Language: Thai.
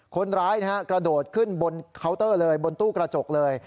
คนร้ายกระโดดขึ้นบนเคาน์เตอร์เลยบนตู้กระจกเลย